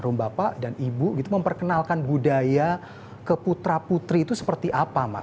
rum bapak dan ibu gitu memperkenalkan budaya ke putra putri itu seperti apa mas